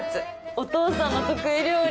お父さんの得意料理。